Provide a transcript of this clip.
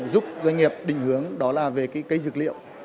giúp doanh nghiệp định hướng đó là về cây dược liệu